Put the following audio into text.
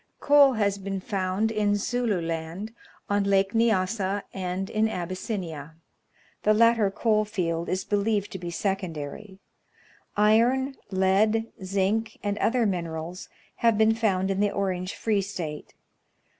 Coal has been found in Zulu Land, on Lake Nyassa, and in Abyssinia. The latter coal field is believed to be secondary. Iron, lead, zinc, and other minerals, have been found in the Orange Free State.